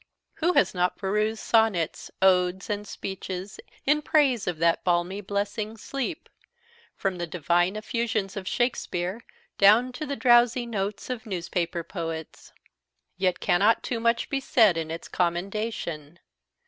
Who has not perused sonnets, odes, and speeches in praise of that balmy blessing sleep; from the divine effusions of Shakespeare down to the drowsy notes of newspaper poets? Yet cannot too much be said in its commendation.